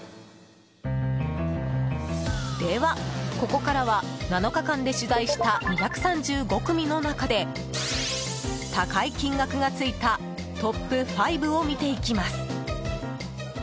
では、ここからは７日間で取材した２３５組の中で高い金額がついたトップ５を見ていきます。